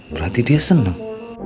berarti dia seneng